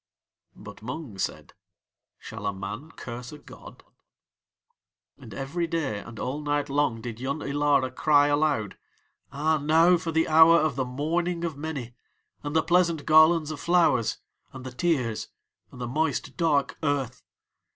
But Mung said: "Shall a man curse a god?" And every day and all night long did Yun Ilara cry aloud: "Ah, now for the hour of the mourning of many, and the pleasant garlands of flowers and the tears, and the moist, dark earth.